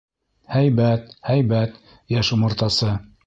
— Һәйбәт, һәйбәт, йәш умартасы!